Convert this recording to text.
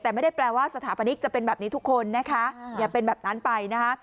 แต่ไม่ได้แปลว่าสถาปนิกจะเป็นแบบนี้ทุกคนนะคะอย่าเป็นแบบนั้นไปนะคะ